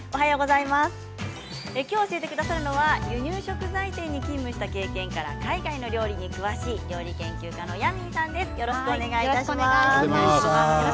教えてくださるのは輸入食材店に勤務した経験から海外の料理に詳しい料理研究家のよろしくお願いします。